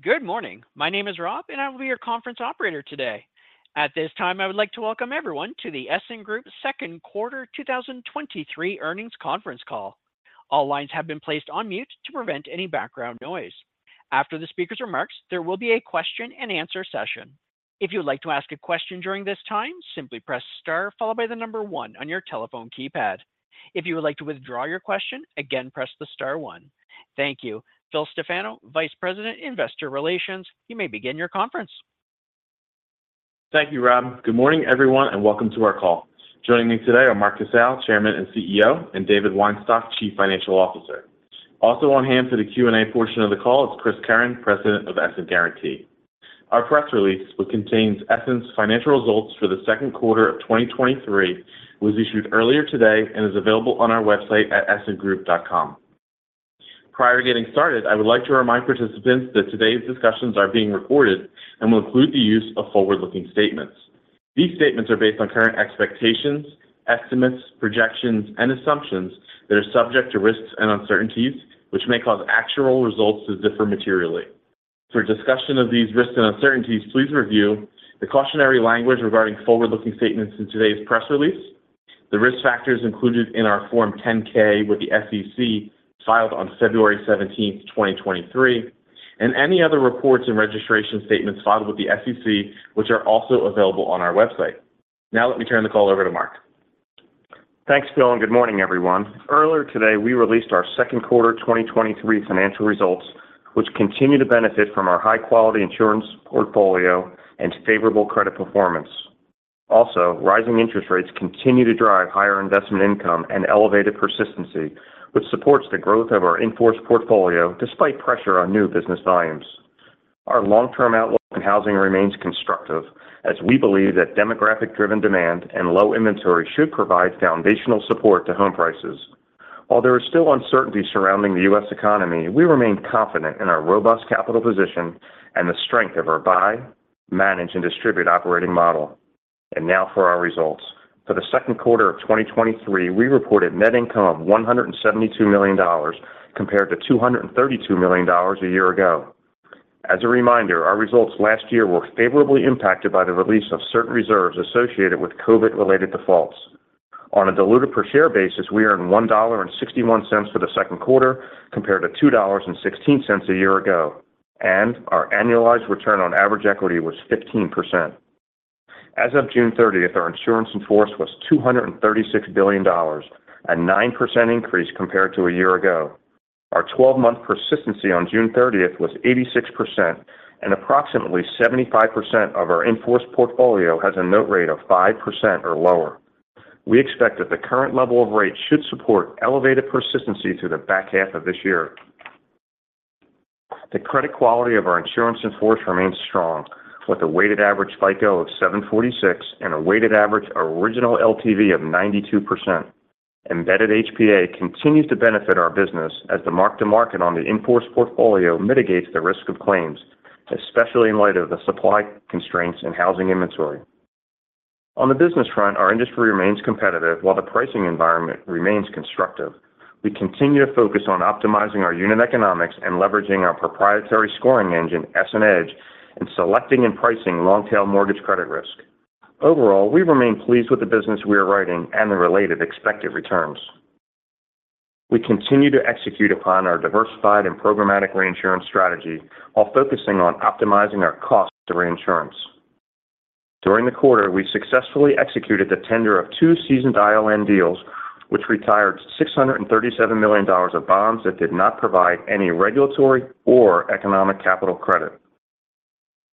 Good morning. My name is Rob, I will be your conference operator today. At this time, I would like to welcome everyone to the Essent Group Q2 2023 Earnings Conference Call. All lines have been placed on mute to prevent any background noise. After the speaker's remarks, there will be a question-and-answer session. If you would like to ask a question during this time, simply press star followed by number one on your telephone keypad. If you would like to withdraw your question, again, press the star one. Thank you. Phil Stefano, Vice President, Investor Relations, you may begin your conference. Thank you, Rob. Good morning, everyone, and welcome to our call. Joining me today are Mark Casale, Chairman and CEO, and David Weinstock, Chief Financial Officer. Also on hand for the Q&A portion of the call is Chris Curran, President of Essent Guaranty. Our press release, which contains Essent's financial results for the Q2 of 2023, was issued earlier today and is available on our website at essentgroup.com. Prior to getting started, I would like to remind participants that today's discussions are being recorded and will include the use of forward-looking statements. These statements are based on current expectations, estimates, projections, and assumptions that are subject to risks and uncertainties, which may cause actual results to differ materially. For a discussion of these risks and uncertainties, please review the cautionary language regarding forward-looking statements in today's press release, the risk factors included in our Form 10-K with the SEC, filed on February 17, 2023, and any other reports and registration statements filed with the SEC, which are also available on our website. Now, let me turn the call over to Mark. Thanks, Phil. Good morning, everyone. Earlier today, we released our Q2 2023 financial results, which continue to benefit from our high-quality insurance portfolio and favorable credit performance. Also, rising interest rates continue to drive higher investment income and elevated persistency, which supports the growth of our in-force portfolio despite pressure on new business volumes. Our long-term outlook in housing remains constructive, as we believe that demographic-driven demand and low inventory should provide foundational support to home prices. While there is still uncertainty surrounding the U.S. economy, we remain confident in our robust capital position and the strength of our buy, manage, and distribute operating model. Now for our results. For the Q2 of 2023, we reported net income of $172 million, compared to $232 million a year ago. As a reminder, our results last year were favorably impacted by the release of certain reserves associated with COVID-related defaults. On a diluted per share basis, we earned $1.61 for the Q2, compared to $2.16 a year ago, and our annualized return on average equity was 15%. As of June 30th, our insurance in force was $236 billion, a 9% increase compared to a year ago. Our 12-month persistency on June 30th was 86%, and approximately 75% of our in-force portfolio has a note rate of 5% or lower. We expect that the current level of rates should support elevated persistency through the back half of this year. The credit quality of our insurance in force remains strong, with a weighted average FICO of 746 and a weighted average original LTV of 92%. Embedded HPA continues to benefit our business as the mark-to-market on the in-force portfolio mitigates the risk of claims, especially in light of the supply constraints in housing inventory. On the business front, our industry remains competitive, while the pricing environment remains constructive. We continue to focus on optimizing our unit economics and leveraging our proprietary scoring engine, EssentEDGE, in selecting and pricing long-tail mortgage credit risk. Overall, we remain pleased with the business we are writing and the related expected returns. We continue to execute upon our diversified and programmatic reinsurance strategy while focusing on optimizing our cost to reinsurance. During the quarter, we successfully executed the tender of two seasoned ILN deals, which retired $637 million of bonds that did not provide any regulatory or economic capital credit.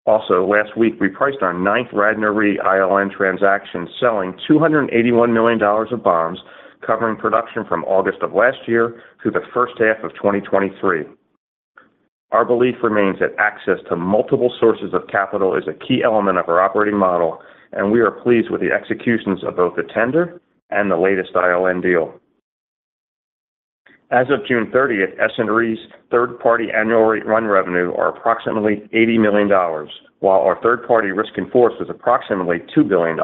Last week, we priced our 9th Radnor Re ILN transaction, selling $281 million of bonds covering production from August of last year through the first half of 2023. Our belief remains that access to multiple sources of capital is a key element of our operating model, and we are pleased with the executions of both the tender and the latest ILN deal. As of June 30th, Essent Re's third-party annual rate run revenue are approximately $80 million, while our third-party risk in force is approximately $2 billion.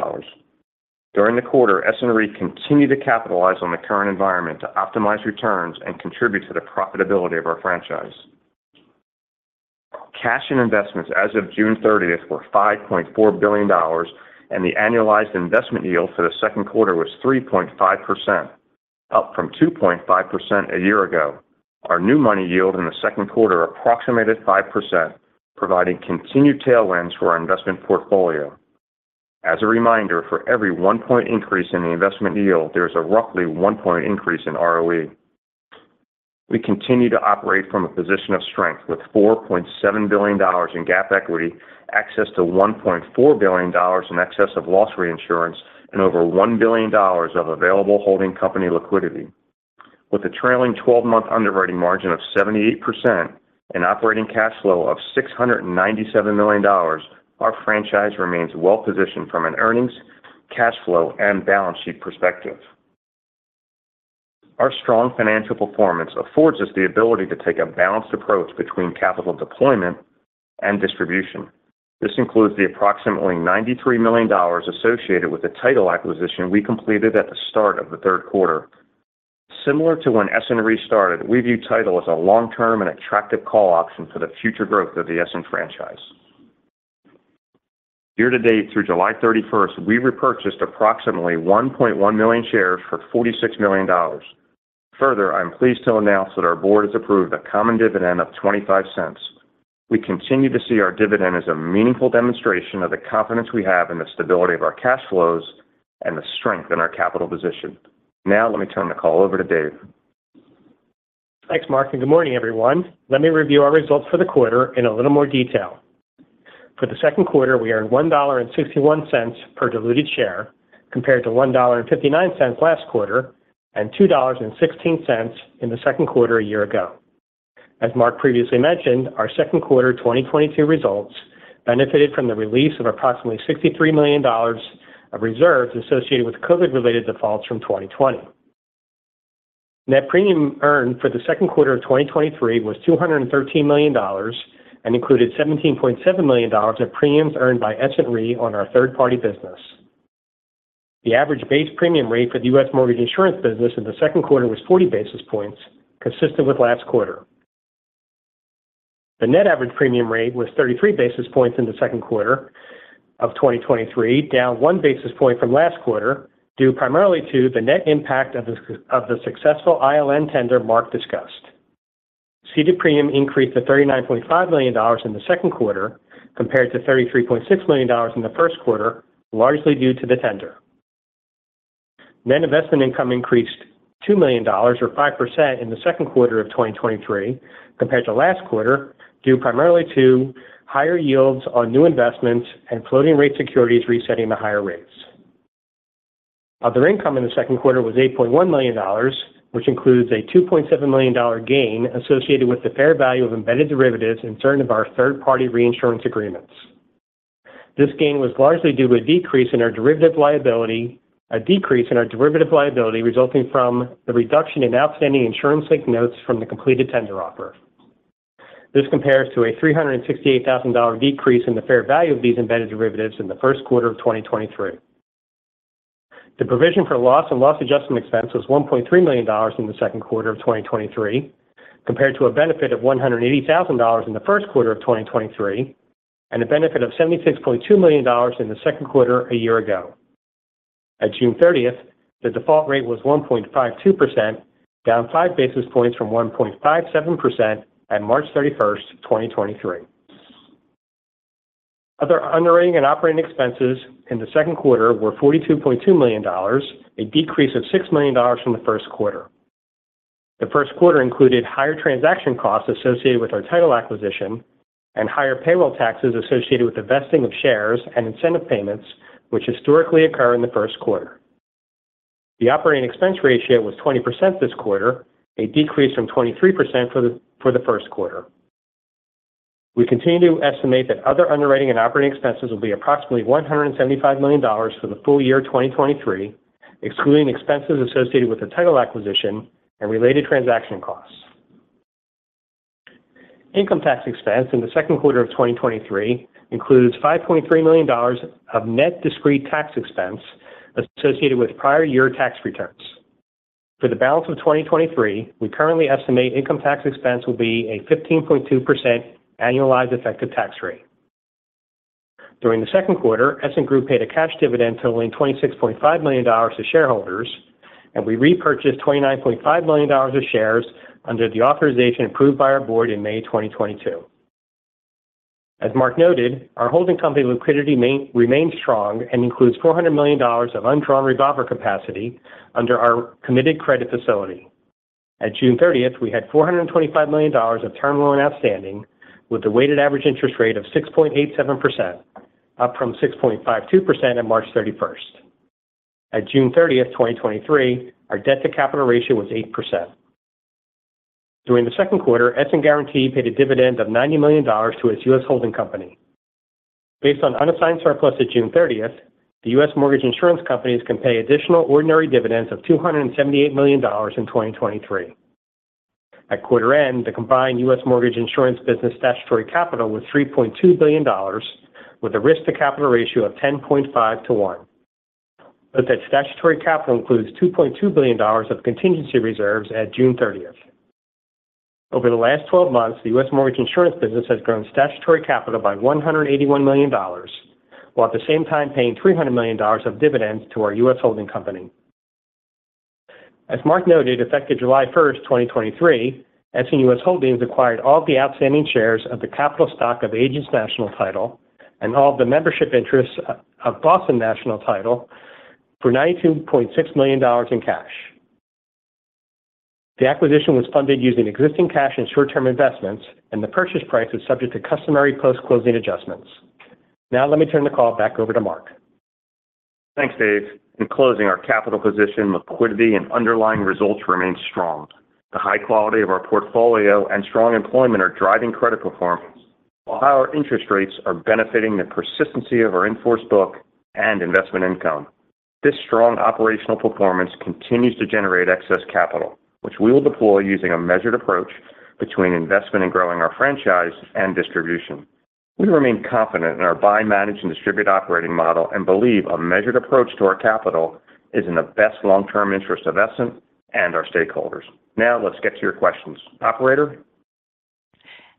During the quarter, Essent Re continued to capitalize on the current environment to optimize returns and contribute to the profitability of our franchise. Cash and investments as of June thirtieth were $5.4 billion, and the annualized investment yield for the Q2 was 3.5%, up from 2.5% a year ago. Our new money yield in the Q2 approximated 5%, providing continued tailwinds for our investment portfolio. As a reminder, for every 1 point increase in the investment yield, there is a roughly 1 point increase in ROE. We continue to operate from a position of strength with $4.7 billion in GAAP equity, access to $1.4 billion in excess of loss reinsurance, and over $1 billion of available holding company liquidity. With a trailing 12-month underwriting margin of 78% and operating cash flow of $697 million, our franchise remains well-positioned from an earnings, cash flow, and balance sheet perspective. Our strong financial performance affords us the ability to take a balanced approach between capital deployment and distribution. This includes the approximately $93 million associated with the Title acquisition we completed at the start of the Q3. Similar to when Essent Re started, we view Title as a long-term and attractive call option for the future growth of the Essent franchise. Year to date, through July 31st, we repurchased approximately 1.1 million shares for $46 million. I'm pleased to announce that our board has approved a common dividend of $0.25. We continue to see our dividend as a meaningful demonstration of the confidence we have in the stability of our cash flows and the strength in our capital position. Let me turn the call over to Dave. Thanks, Mark. Good morning, everyone. Let me review our results for the quarter in a little more detail. For the Q2, we earned $1.61 per diluted share, compared to $1.59 last quarter, $2.16 in the Q2 a year ago. As Mark previously mentioned, our Q2 2022 results benefited from the release of approximately $63 million of reserves associated with COVID-related defaults from 2020. Net premium earned for the Q2 of 2023 was $213 million included $17.7 million of premiums earned by Essent Re on our third-party business. The average base premium rate for the US mortgage insurance business in the Q2 was 40 basis points, consistent with last quarter. The net average premium rate was 33 basis points in the Q2 of 2023, down 1 basis point from last quarter, due primarily to the successful ILN tender Mark discussed. Ceded premium increased to $39.5 million in the Q2, compared to $33.6 million in the Q1, largely due to the tender. Net investment income increased $2 million or 5% in the Q2 of 2023 compared to last quarter, due primarily to higher yields on new investments and floating rate securities resetting the higher rates. Other income in the Q2 was $8.1 million, which includes a $2.7 million gain associated with the fair value of embedded derivatives in certain of our third-party reinsurance agreements. This gain was largely due to a decrease in our derivative liability, a decrease in our derivative liability resulting from the reduction in outstanding insurance-linked notes from the completed tender offer. This compares to a $368,000 decrease in the fair value of these embedded derivatives in the Q1 of 2023. The provision for loss and loss adjustment expense was $1.3 million in the Q2 of 2023, compared to a benefit of $180,000 in the Q1 of 2023, and a benefit of $76.2 million in the Q2 a year ago. At June 30th, the default rate was 1.52%, down 5 basis points from 1.57% at March 31st, 2023. Other underwriting and operating expenses in the Q2 were $42.2 million, a decrease of $6 million from the Q1. The Q1 included higher transaction costs associated with our title acquisition and higher payroll taxes associated with the vesting of shares and incentive payments, which historically occur in the Q1. The operating expense ratio was 20% this quarter, a decrease from 23% for the Q1. We continue to estimate that other underwriting and operating expenses will be approximately $175 million for the full year 2023, excluding expenses associated with the title acquisition and related transaction costs. Income tax expense in the Q2 of 2023 includes $5.3 million of net discrete tax expense associated with prior year tax returns. For the balance of 2023, we currently estimate income tax expense will be a 15.2% annualized effective tax rate. During the Q2, Essent Group paid a cash dividend totaling $26.5 million to shareholders. We repurchased $29.5 million of shares under the authorization approved by our board in May 2022. As Mark noted, our holding company liquidity remains strong and includes $400 million of undrawn revolver capacity under our committed credit facility. At June 30th, we had $425 million of term loan outstanding, with a weighted average interest rate of 6.87%, up from 6.52% on March 31st. At June 30th, 2023, our debt-to-capital ratio was 8%. During the Q2, Essent Guaranty paid a dividend of $90 million to its U.S. holding company. Based on unassigned surplus at June 30th, the U.S. mortgage insurance companies can pay additional ordinary dividends of $278 million in 2023. At quarter end, the combined U.S. mortgage insurance business statutory capital was $3.2 billion, with a risk to capital ratio of 10.5 to 1. Note that statutory capital includes $2.2 billion of contingency reserves at June 30th. Over the last 12 months, the U.S. mortgage insurance business has grown statutory capital by $181 million, while at the same time paying $300 million of dividends to our U.S. holding company. As Mark noted, effective July 1st, 2023, Essent US Holdings acquired all the outstanding shares of the capital stock of Agents National Title and all the membership interests of Boston National Title for $92.6 million in cash. The acquisition was funded using existing cash and short-term investments, and the purchase price was subject to customary post-closing adjustments. Let me turn the call back over to Mark. Thanks, Dave. In closing, our capital position, liquidity, and underlying results remain strong. The high quality of our portfolio and strong employment are driving credit performance, while higher interest rates are benefiting the persistency of our in-force book and investment income. This strong operational performance continues to generate excess capital, which we will deploy using a measured approach between investment and growing our franchise and distribution. We remain confident in our buy, manage, and distribute operating model, and believe a measured approach to our capital is in the best long-term interest of Essent and our stakeholders. Now, let's get to your questions. Operator?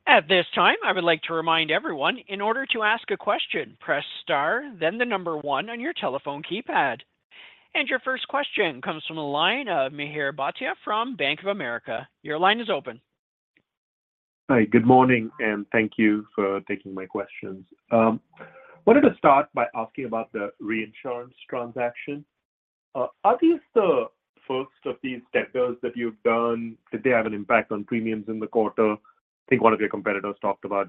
At this time, I would like to remind everyone, in order to ask a question, press star, then the number one on your telephone keypad. Your first question comes from the line of Mihir Bhatia from Bank of America. Your line is open. Hi, good morning, and thank you for taking my questions. Wanted to start by asking about the reinsurance transaction. Are these the first of these tenders that you've done? Did they have an impact on premiums in the quarter? I think one of your competitors talked about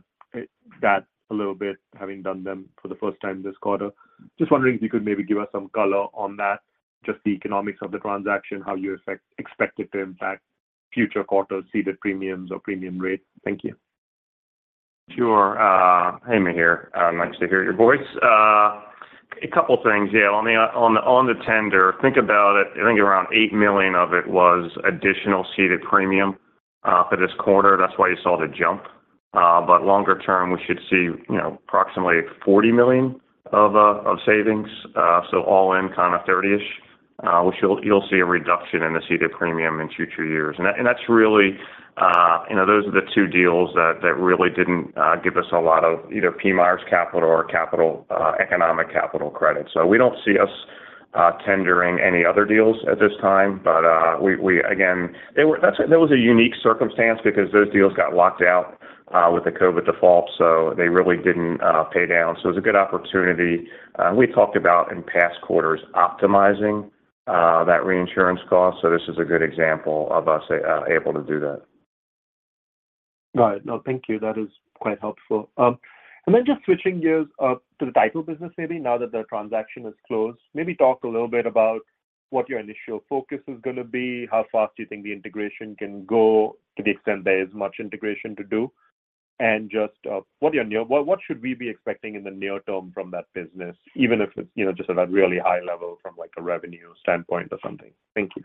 that a little bit, having done them for the first time this quarter. Just wondering if you could maybe give us some color on that, just the economics of the transaction, how you expect, expect it to impact future quarters, ceded premiums or premium rate. Thank you. Sure. Hey, Mihir, nice to hear your voice. A couple things. Yeah, on the tender, think about it, I think around $8 million of it was additional ceded premium for this quarter. That's why you saw the jump. But longer term, we should see, you know, approximately $40 million of savings. So all in, kind of 30-ish, which you'll see a reduction in the ceded premium in future years. And that, and that's really, you know, those are the two deals that really didn't give us a lot of either PMIERs capital or capital, economic capital credit. So we don't see us tendering any other deals at this time. But we, again, they were... That's a, that was a unique circumstance because those deals got locked out with the COVID default, so they really didn't pay down. It was a good opportunity. We talked about in past quarters, optimizing that reinsurance cost, so this is a good example of us able to do that. Got it. No, thank you. That is quite helpful. Then just switching gears to the title business, maybe now that the transaction is closed, maybe talk a little bit about what your initial focus is gonna be? How fast do you think the integration can go, to the extent there is much integration to do? Just what are your near- what, what should we be expecting in the near term from that business, even if it's, you know, just at a really high level from, like, a revenue standpoint or something? Thank you.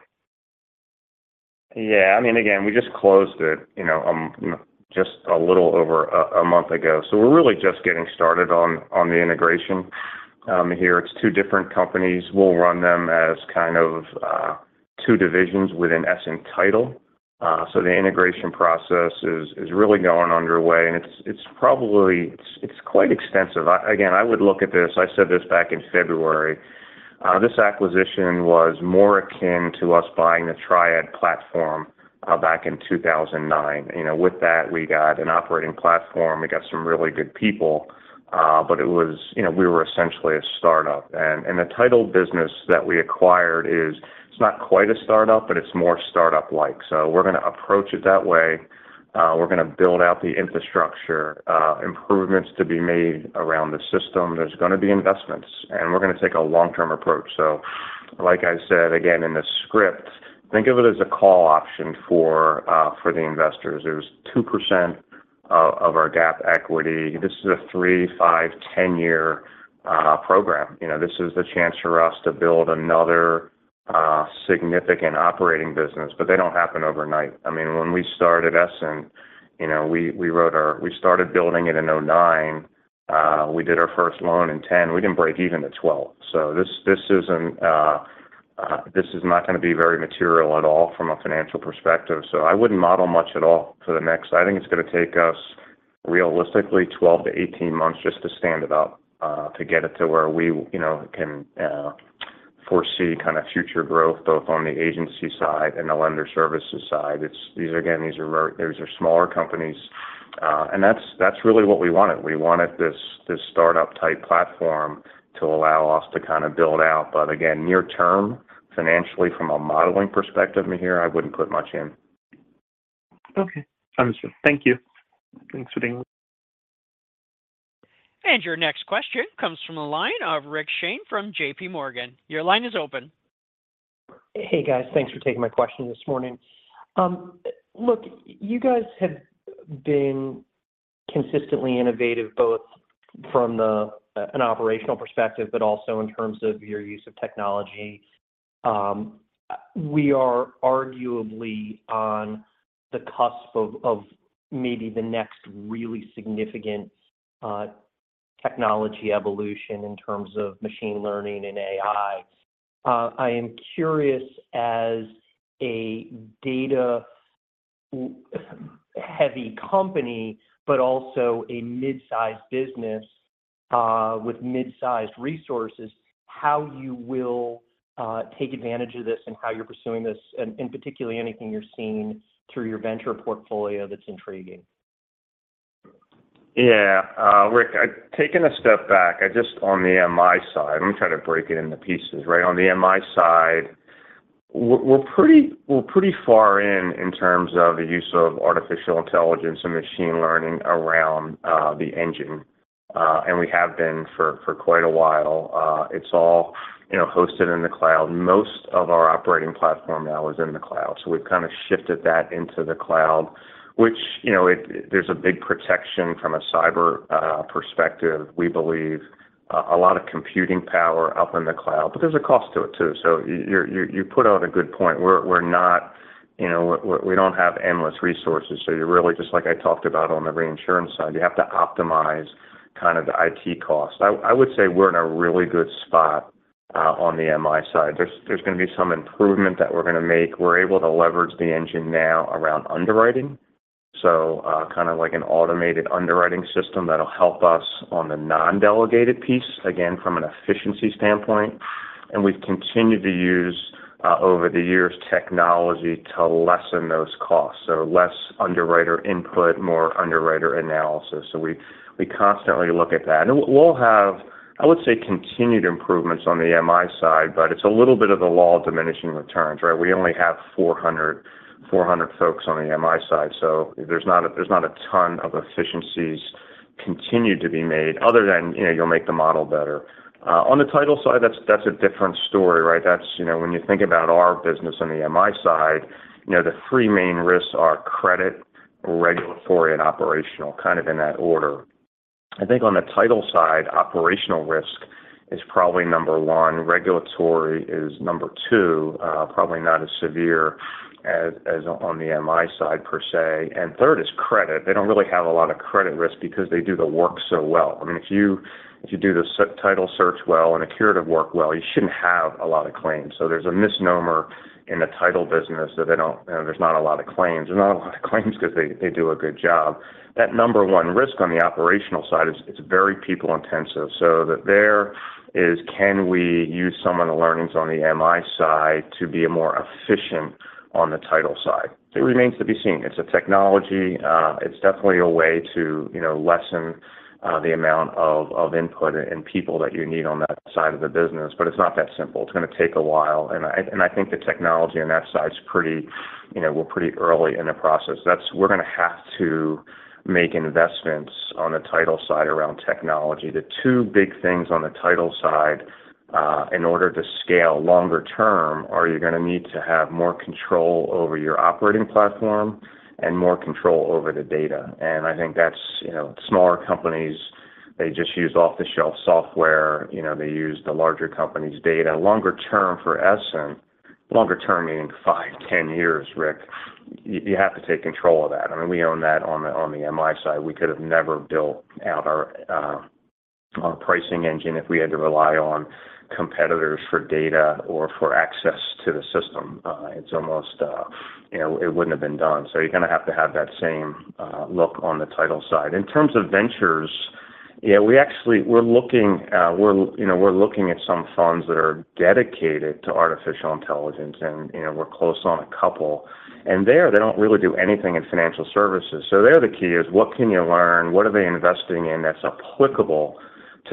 Yeah, I mean, again, we just closed it, you know, just a little over a month ago. We're really just getting started on the integration. Here, it's two different companies. We'll run them as kind of two divisions within Essent Title. The integration process is really going underway, and it's quite extensive. Again, I would look at this, I said this back in February, this acquisition was more akin to us buying the Triad platform back in 2009. With that, we got an operating platform, we got some really good people, but it was, we were essentially a start-up. The title business that we acquired, it's not quite a start-up, but it's more start-up like. We're gonna approach it that way. We're gonna build out the infrastructure, improvements to be made around the system. There's gonna be investments, and we're gonna take a long-term approach. Like I said, again, in the script, think of it as a call option for, for the investors. There's 2% of our GAAP equity. This is a 3, 5, 10-year program. You know, this is the chance for us to build another significant operating business, but they don't happen overnight. I mean, when we started Essent, you know, we started building it in 2009. We did our first loan in 2010. We didn't break even till 2012. This, this isn't, this is not gonna be very material at all from a financial perspective, so I wouldn't model much at all for the next- I think it's gonna take us, realistically, 12-18 months just to stand it up, to get it to where we, you know, can foresee kind of future growth, both on the agency side and the lender services side. It's- these, again, these are very, these are smaller companies, and that's, that's really what we wanted. We wanted this, this start-up type platform to allow us to kind of build out. Again, near term, financially, from a modeling perspective, Mihir, I wouldn't put much in. Okay. Understood. Thank you. Thanks for being with me. Your next question comes from the line of Rick Shane from JPMorgan. Your line is open. Hey, guys. Thanks for taking my question this morning. Look, you guys have been consistently innovative, both from an operational perspective, but also in terms of your use of technology. We are arguably on the cusp of maybe the next really significant technology evolution in terms of machine learning and AI. I am curious, as a data-heavy company, but also a mid-sized business, with mid-sized resources, how you will take advantage of this and how you're pursuing this, and particularly anything you're seeing through your venture portfolio that's intriguing? Yeah, Rick, I've taken a step back. On the MI side, let me try to break it into pieces, right? On the MI side, we're pretty, we're pretty far in, in terms of the use of artificial intelligence and machine learning around the engine, and we have been for quite a while. It's all, you know, hosted in the cloud. Most of our operating platform now is in the cloud, so we've kind of shifted that into the cloud, which, you know, there's a big protection from a cyber perspective. We believe a lot of computing power out in the cloud, but there's a cost to it, too. You're, you, you put out a good point. We're not, you know, we don't have endless resources, so you're really, just like I talked about on the reinsurance side, you have to optimize kind of the IT costs. I would say we're in a really good spot. On the MI side. There's gonna be some improvement that we're gonna make. We're able to leverage the engine now around underwriting, so kind of like an automated underwriting system that'll help us on the non-delegated piece, again, from an efficiency standpoint. We've continued to use over the years, technology to lessen those costs. Less underwriter input, more underwriter analysis. We constantly look at that. We'll have, I would say, continued improvements on the MI side, but it's a little bit of the law of diminishing returns, right? We only have 400 folks on the MI side, so there's not a ton of efficiencies continued to be made other than, you know, you'll make the model better. On the title side, that's, that's a different story, right? That's, you know, when you think about our business on the MI side, you know, the three main risks are credit, regulatory, and operational, kind of in that order. I think on the title side, operational risk is probably number one, regulatory is number two, probably not as severe as on the MI side, per se, and third is credit. They don't really have a lot of credit risk because they do the work so well. I mean, if you do the title search well and the curative work well, you shouldn't have a lot of claims. There's a misnomer in the title business that they don't... there's not a lot of claims. There's not a lot of claims because they do a good job. That number one risk on the operational side is very people-intensive. That there is, can we use some of the learnings on the MI side to be more efficient on the title side? It remains to be seen. It's a technology, it's definitely a way to, you know, lessen, the amount of, of input and people that you need on that side of the business, but it's not that simple. It's gonna take a while, and I think the technology on that side is pretty, you know, we're pretty early in the process. That's, we're gonna have to make investments on the title side around technology. The two big things on the title side, in order to scale longer term, are you're gonna need to have more control over your operating platform and more control over the data. I think that's, you know, smaller companies, they just use off-the-shelf software. You know, they use the larger companies' data. Longer term for Essent, longer term meaning 5, 10 years, Rick, you, you have to take control of that. I mean, we own that on the, on the MI side. We could have never built out our pricing engine if we had to rely on competitors for data or for access to the system. It's almost, you know, it wouldn't have been done. You're gonna have to have that same look on the title side. In terms of ventures, yeah, we actually, we're looking, you know, we're looking at some funds that are dedicated to artificial intelligence and, you know, we're close on a couple. There, they don't really do anything in financial services. There, the key is, what can you learn? What are they investing in that's applicable to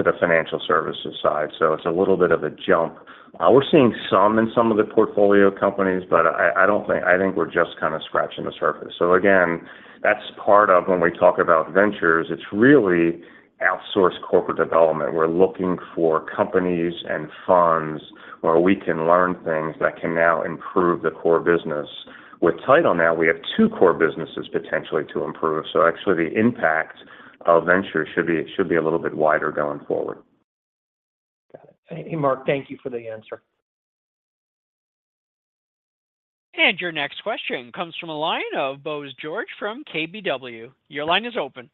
the financial services side? It's a little bit of a jump. We're seeing some in some of the portfolio companies, but I don't think. I think we're just kind of scratching the surface. Again, that's part of when we talk about ventures, it's really outsourced corporate development. We're looking for companies and funds where we can learn things that can now improve the core business. With title now, we have 2 core businesses potentially to improve, actually, the impact of ventures should be, it should be a little bit wider going forward. Got it. Hey, Mark, thank you for the answer. Your next question comes from a line of Bose George from KBW. Your line is open.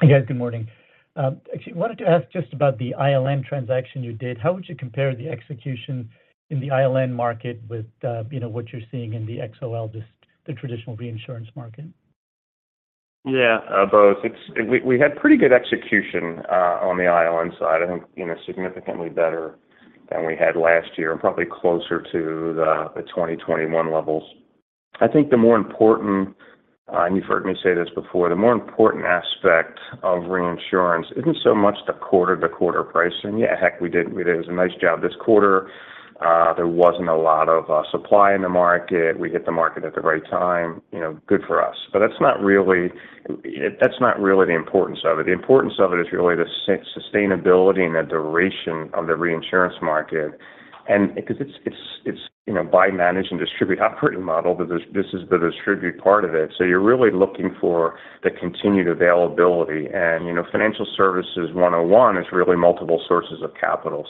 Hey, guys, good morning. Actually, wanted to ask just about the ILN transaction you did. How would you compare the execution in the ILN market with, you know, what you're seeing in the XOL, just the traditional reinsurance market? Yeah, Bose, it's, we had pretty good execution on the ILN side. I think, you know, significantly better than we had last year, and probably closer to the 2021 levels. I think the more important, and you've heard me say this before, the more important aspect of reinsurance isn't so much the quarter-to-quarter pricing. Yeah, heck, we did, we did a nice job this quarter. There wasn't a lot of supply in the market. We hit the market at the right time, you know, good for us. That's not really, that's not really the importance of it. The importance of it is really the sustainability and the duration of the reinsurance market. Because it's, you know, buy, manage, and distribute operating model, but this, this is the distribute part of it. You're really looking for the continued availability. You know, financial services one on one is really multiple sources of capital.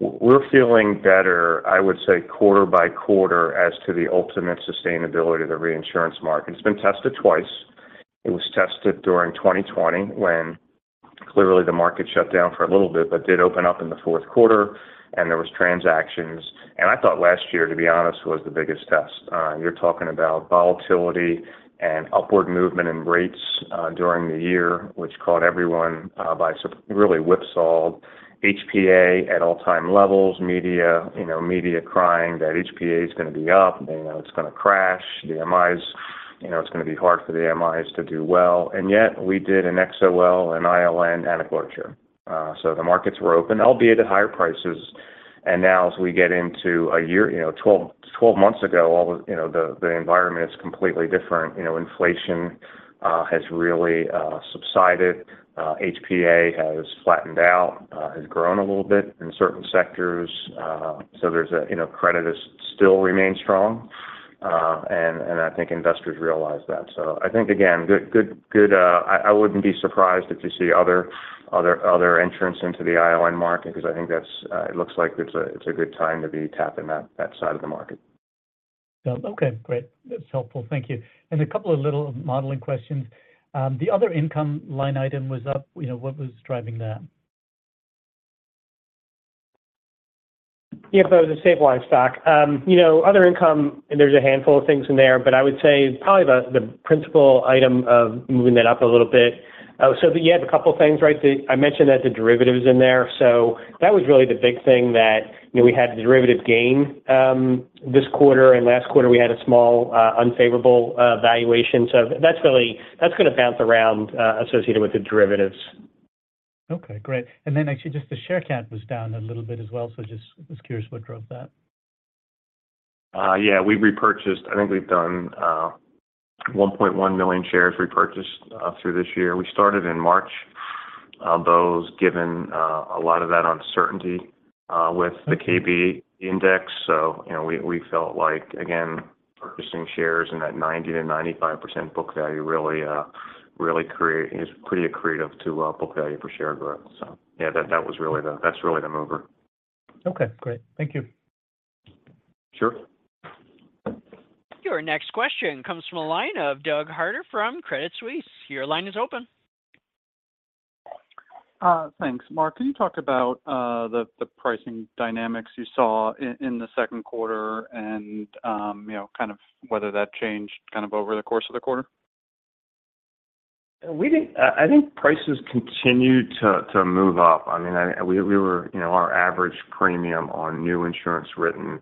We're feeling better, I would say, quarter by quarter, as to the ultimate sustainability of the reinsurance market. It's been tested twice. It was tested during 2020, when clearly the market shut down for a little bit, but did open up in the Q4, and there was transactions. I thought last year, to be honest, was the biggest test. You're talking about volatility and upward movement in rates during the year, which caught everyone really whipsawed. HPA at all-time levels, media, you know, media crying that HPA is gonna be up, you know, it's gonna crash. The MIs, you know, it's gonna be hard for the MIs to do well. Yet, we did an XOL, an ILN, and a closure. The markets were open, albeit at higher prices. Now as we get into a year, you know, 12, 12 months ago, all the, you know, the, the environment is completely different. You know, inflation has really subsided. HPA has flattened out, has grown a little bit in certain sectors, there's a, you know, credit is still remains strong, and, and I think investors realize that. I think again, good, good, good. I, I wouldn't be surprised if you see other, other, other entrants into the ILN market, because I think that's, it looks like it's a, it's a good time to be tapping that, that side of the market. okay, great. That's helpful. Thank you. And a couple of little modeling questions. The other income line item was up. You know, what was driving that? Yeah, that was a safe harbor. You know, other income, and there's a handful of things in there, but I would say probably the principal item of moving that up a little bit. You had a couple of things, right? I mentioned that the derivative is in there, so that was really the big thing that, you know, we had the derivative gain this quarter, and last quarter, we had a small, unfavorable valuation. That's going to bounce around associated with the derivatives. Okay, great. Then actually, just the share count was down a little bit as well, so just was curious what drove that. Yeah, we repurchased. I think we've done 1.1 million shares repurchased through this year. We started in March, those given a lot of that uncertainty with the Case-Shiller index. You know, we felt like, again, purchasing shares in that 90%-95% book value really is pretty accretive to book value for share growth. Yeah, that's really the mover. Okay, great. Thank you. Sure. Your next question comes from the line of Doug Harter from Credit Suisse. Your line is open. Thanks, Mark. Can you talk about the pricing dynamics you saw in the Q2 and, you know, kind of whether that changed kind of over the course of the quarter? We didn't. I think prices continued to, to move up. I mean, I, we, we were, you know, our average premium on new insurance written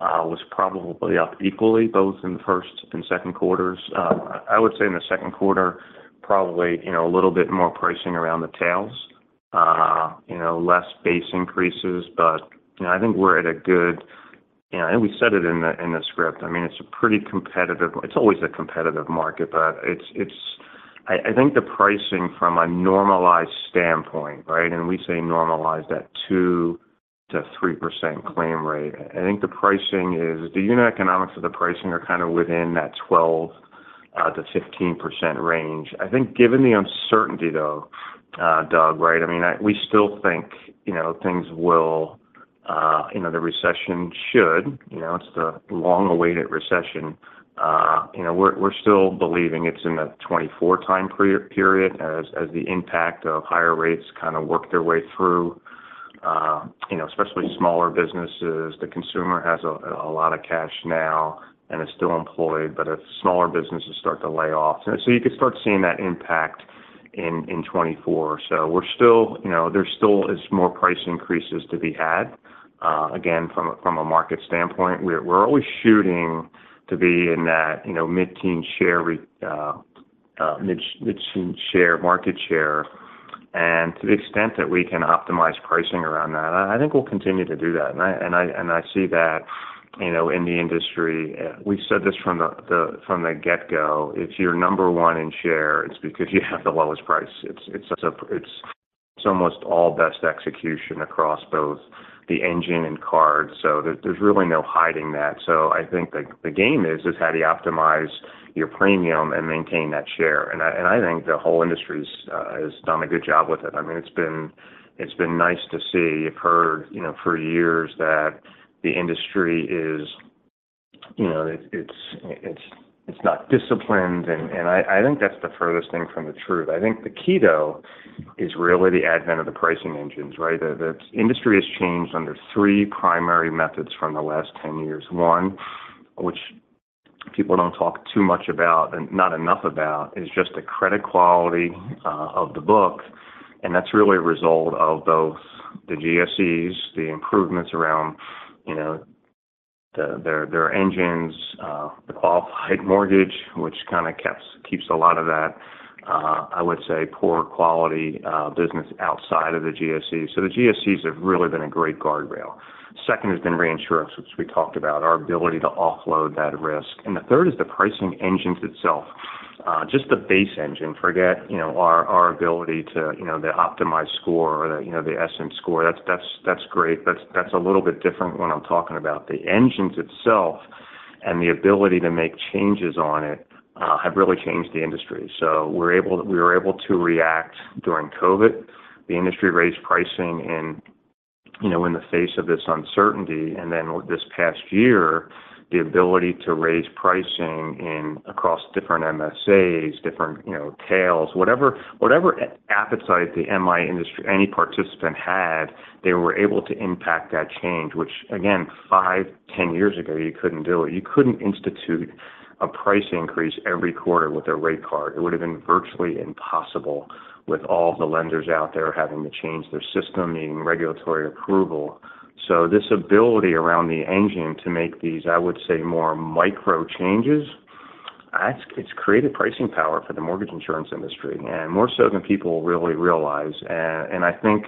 was probably up equally, both in the first and Q2s. I would say in the Q2, probably, you know, a little bit more pricing around the tails, you know, less base increases, but, you know, I think we're at a good. You know, and we said it in the, in the script. I mean, it's a pretty competitive. It's always a competitive market, but it's, it's. I, I think the pricing from a normalized standpoint, right? We say normalize that 2%-3% claim rate. I think the pricing is, the unit economics of the pricing are kind of within that 12%-15% range. I think given the uncertainty, though, Doug, right? I mean, I, we still think, you know, things will, you know, the recession should, you know, it's the long-awaited recession. You know, we're, we're still believing it's in the 2024 time period as, as the impact of higher rates kind of work their way through, you know, especially smaller businesses. The consumer has a, a lot of cash now and is still employed, but if smaller businesses start to lay off. You could start seeing that impact in, in 2024. We're still, you know, there still is more price increases to be had. Again, from a, from a market standpoint, we're, we're always shooting to be in that, you know, mid-teen share, market share. And to the extent that we can optimize pricing around that, I, I think we'll continue to do that. I see that, you know, in the industry. We've said this from the get-go: If you're number one in share, it's because you have the lowest price. It's, it's, it's almost all best execution across both the engine and card. There, there's really no hiding that. I think the, the game is, is how do you optimize your premium and maintain that share? I think the whole industry's has done a good job with it. I mean, it's been, it's been nice to see. You've heard, you know, for years that the industry is, it's, it's, it's not disciplined. I think that's the furthest thing from the truth. I think the key, though, is really the advent of the pricing engines, right? The industry has changed under three primary methods from the last 10 years. One, which people don't talk too much about, and not enough about, is just the credit quality of the book, and that's really a result of both the GSEs, the improvements around, you know, their engines, the Qualified Mortgage, which kind of keeps a lot of that, I would say, poor quality business outside of the GSEs. The GSEs have really been a great guardrail. Second has been reinsurance, which we talked about, our ability to offload that risk. The third is the pricing engines itself. Just the base engine, forget, you know, our ability to, you know, the optimized score or the, you know, the EssentEDGE score. That's great. That's, that's a little bit different when I'm talking about the engines itself and the ability to make changes on it, have really changed the industry. We were able to react during COVID. The industry raised pricing in, you know, in the face of this uncertainty. Then this past year, the ability to raise pricing in across different MSAs, different, you know, tails. Whatever, whatever appetite the MI industry, any participant had, they were able to impact that change, which again, 5, 10 years ago, you couldn't do it. You couldn't institute a price increase every quarter with a rate card. It would have been virtually impossible with all the lenders out there having to change their system, needing regulatory approval. This ability around the engine to make these, I would say, more micro changes, it's created pricing power for the mortgage insurance industry, and more so than people really realize. I think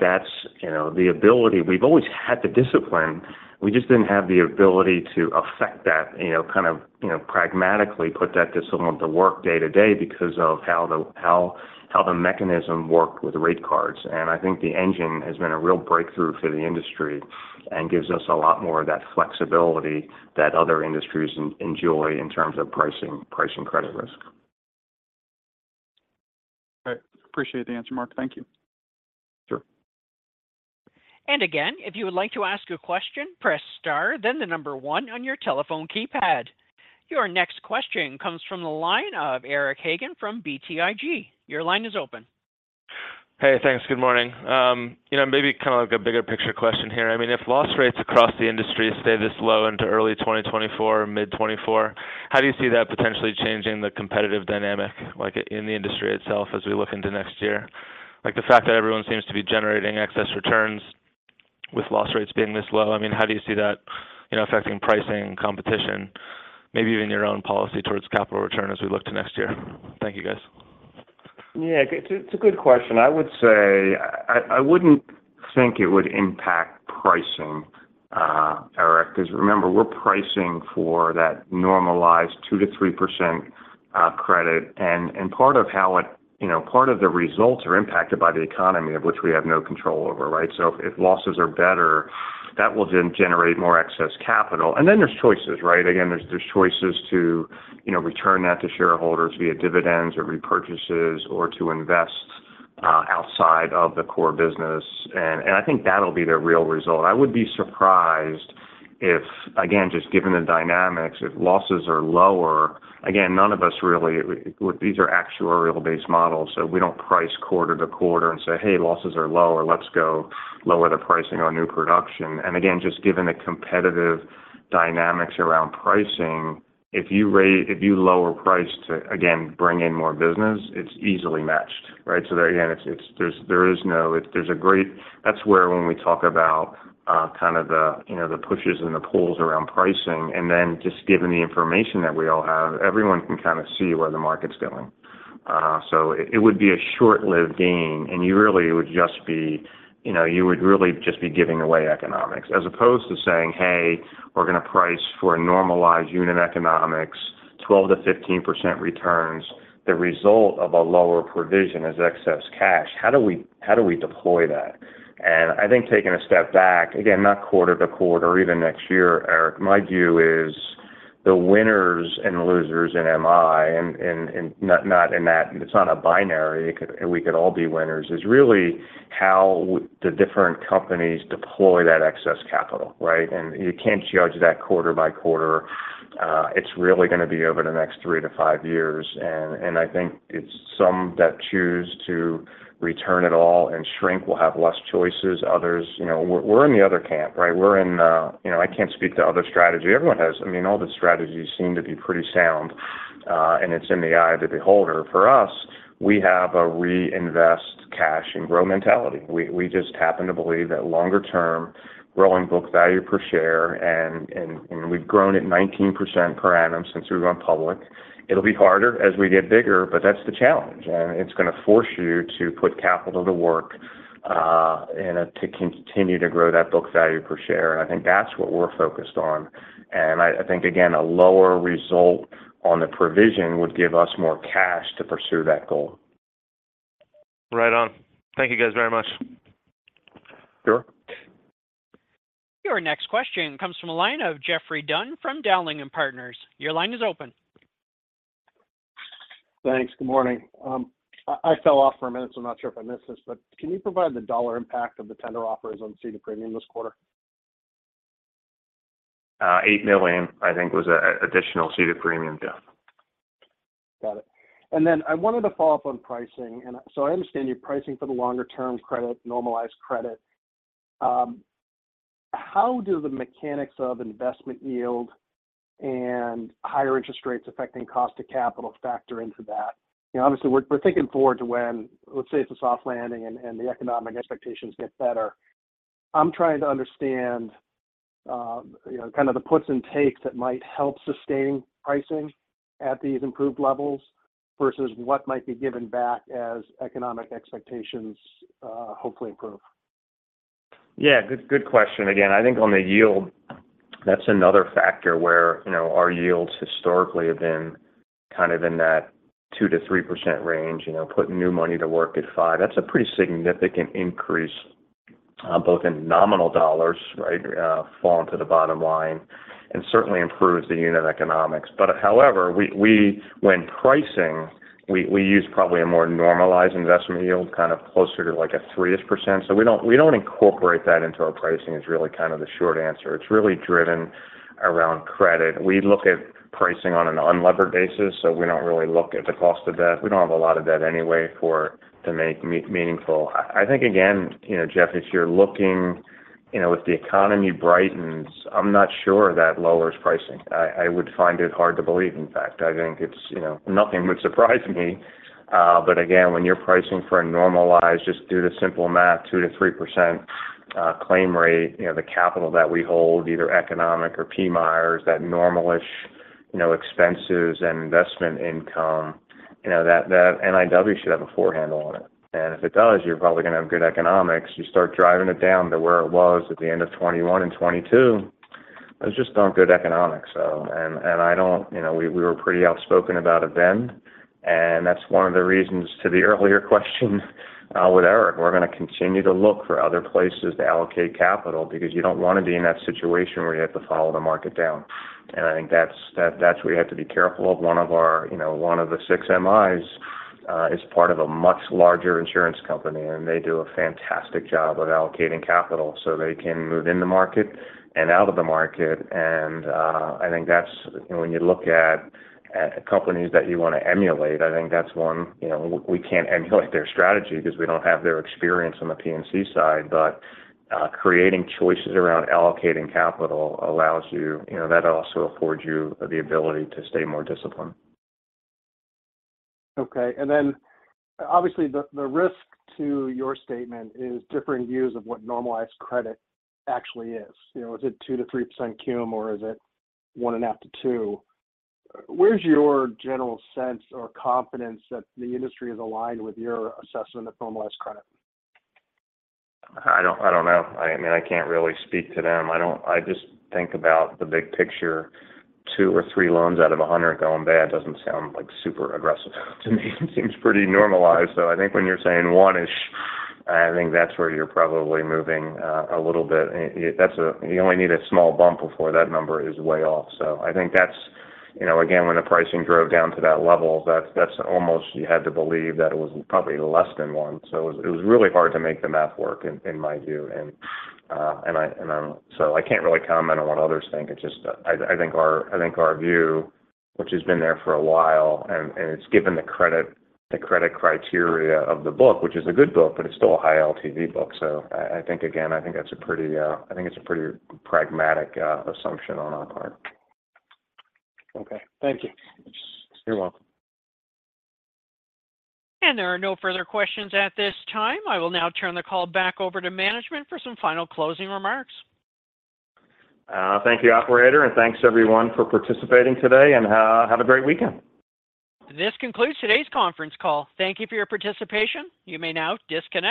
that's, you know, the ability. We've always had the discipline. We just didn't have the ability to affect that, you know, kind of, pragmatically put that discipline to work day to day because of how the mechanism worked with the rate cards. I think the engine has been a real breakthrough for the industry and gives us a lot more of that flexibility that other industries enjoy in terms of pricing, pricing credit risk. I appreciate the answer, Mark. Thank you. Sure. Again, if you would like to ask a question, press star, then the number one on your telephone keypad. Your next question comes from the line of Eric Hagen from BTIG. Your line is open. Hey, thanks. Good morning. You know, maybe kind of like a bigger picture question here. I mean, if loss rates across the industry stay this low into early 2024 or mid 2024, how do you see that potentially changing the competitive dynamic, like, in the industry itself as we look into next year? Like, the fact that everyone seems to be generating excess returns with loss rates being this low, I mean, how do you see that, you know, affecting pricing and competition, maybe even your own policy towards capital return as we look to next year? Thank you, guys. Yeah, it's a good question. I would say I wouldn't think it would impact pricing, Eric, 'cause remember, we're pricing for that normalized 2%-3% credit. Part of how it. You know, part of the results are impacted by the economy, of which we have no control over, right? If losses are better, that will then generate more excess capital. Then there's choices, right? Again, there's choices to, you know, return that to shareholders via dividends or repurchases or to invest outside of the core business. I think that'll be the real result. I would be surprised if, again, just given the dynamics, if losses are lower. Again, none of us really, these are actuarial-based models, so we don't price quarter to quarter and say, "Hey, losses are lower. Let's go lower the pricing on new production. Again, just given the competitive dynamics around pricing, if you if you lower price to, again, bring in more business, it's easily matched, right? There again, it's that's where when we talk about, kind of the, you know, the pushes and the pulls around pricing, then just given the information that we all have, everyone can kind of see where the market's going. It, it would be a short-lived gain, you really would just be, you know, you would really just be giving away economics as opposed to saying, "Hey, we're going to price for a normalized unit economics, 12%-15% returns." The result of a lower provision is excess cash. How do we deploy that? I think taking a step back, again, not quarter to quarter or even next year, Eric Hagen, my view is the winners and losers in MI and not, it's not a binary, we could all be winners, is really how the different companies deploy that excess capital, right? You can't judge that quarter by quarter. It's really going to be over the next 3 to 5 years. I think it's some that choose to return it all and shrink will have less choices. Others, you know, we're, we're in the other camp, right? We're in you know, I can't speak to other strategy. Everyone has- I mean, all the strategies seem to be pretty sound, and it's in the eye of the beholder. For us, we have a reinvest cash and grow mentality. We, we just happen to believe that longer term, growing book value per share, and, and, and we've grown at 19% per annum since we've gone public. It'll be harder as we get bigger, but that's the challenge, and it's going to force you to put capital to work, and to continue to grow that book value per share. I think that's what we're focused on. I, I think, again, a lower result on the provision would give us more cash to pursue that goal. Right on. Thank you, guys, very much. Sure. Your next question comes from the line of Geoffrey Dunn from Dowling & Partners. Your line is open. Thanks. Good morning. I, I fell off for a minute, so I'm not sure if I missed this, but can you provide the dollar impact of the tender offers on ceded premium this quarter? $8 million, I think, was a additional ceded premium, Jeff. Got it. Then I wanted to follow up on pricing. So I understand you're pricing for the longer-term credit, normalized credit. How do the mechanics of investment yield and higher interest rates affecting cost of capital factor into that? You know, obviously, we're, we're thinking forward to when, let's say it's a soft landing and, and the economic expectations get better. I'm trying to understand, you know, kind of the puts and takes that might help sustain pricing at these improved levels versus what might be given back as economic expectations, hopefully improve. Yeah, good, good question. Again, I think on the yield, that's another factor where, you know, our yields historically have been kind of in that 2%-3% range. You know, putting new money to work at 5%, that's a pretty significant increase, both in nominal dollars, right, falling to the bottom line, and certainly improves the unit economics. However, when pricing, we use probably a more normalized investment yield, kind of closer to, like, a 3%. We don't, we don't incorporate that into our pricing is really kind of the short answer. It's really driven around credit. We look at pricing on an unlevered basis, we don't really look at the cost of debt. We don't have a lot of debt anyway to make meaningful. I think, again, you know, Geoffrey, if you're looking, you know, if the economy brightens, I'm not sure that lowers pricing. I would find it hard to believe, in fact. I think it's, you know... Nothing would surprise me, but again, when you're pricing for a normalized, just do the simple math, 2%-3% claim rate, you know, the capital that we hold, either economic or PMI, or is that normal, you know, expenses and investment income, you know, that, that NIW should have a four handle on it. If it does, you're probably going to have good economics. You start driving it down to where it was at the end of 2021 and 2022, those just aren't good economics. I don't- you know, we, we were pretty outspoken about it then, and that's one of the reasons to the earlier question, with Eric, we're gonna continue to look for other places to allocate capital, because you don't wanna be in that situation where you have to follow the market down. I think that's, that, that's where you have to be careful of one of our, you know, one of the six MIs, is part of a much larger insurance company, and they do a fantastic job of allocating capital, so they can move in the market and out of the market. I think that's, when you look at, at companies that you wanna emulate, I think that's one. You know, we can't emulate their strategy because we don't have their experience on the P&C side, but creating choices around allocating capital allows you. You know, that also affords you the ability to stay more disciplined. Okay. Then, obviously, the, the risk to your statement is different views of what normalized credit actually is. You know, is it 2%-3%, or is it 1.5%-2%? Where's your general sense or confidence that the industry is aligned with your assessment of normalized credit? I don't, I don't know. I mean, I can't really speak to them. I just think about the big picture. Two or three loans out of 100 going bad doesn't sound like super aggressive to me. It seems pretty normalized. I think when you're saying one, I think that's where you're probably moving a little bit. That's a. You only need a small bump before that number is way off. I think that's, you know, again, when the pricing drove down to that level, that's, that's almost, you had to believe that it was probably less than one. It was, it was really hard to make the math work in, in my view. I can't really comment on what others think. It's just that I, I think our, I think our view, which has been there for a while, and, and it's given the credit, the credit criteria of the book, which is a good book, but it's still a high LTV book. I, I think, again, I think that's a pretty, I think it's a pretty pragmatic, assumption on our part. Okay. Thank you. You're welcome. There are no further questions at this time. I will now turn the call back over to management for some final closing remarks. Thank you, operator, and thanks everyone for participating today, and have a great weekend! This concludes today's conference call. Thank you for your participation. You may now disconnect.